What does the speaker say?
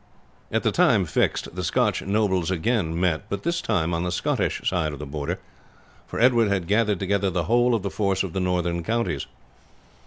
"At the time fixed the Scotch nobles again met, but this time on the Scottish side of the Border, for Edward had gathered together the whole of the force of the northern counties.